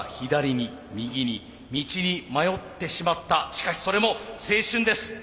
しかしそれも青春です。